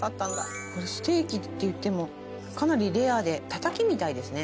これステーキっていってもかなりレアでたたきみたいですね。